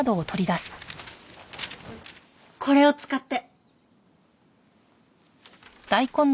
これを使って。